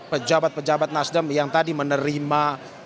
pejabat pejabat nasdem yang tadi menerima